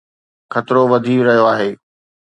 خطرو وڌي رهيو آهي